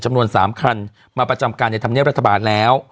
จำนวน๓คันมาประจำการในธรรมเนียบรัฐบาลแล้ว